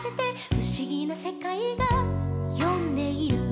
「ふしぎなせかいがよんでいる」